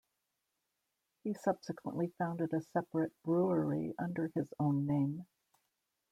He subsequently founded a separate brewery under his own name.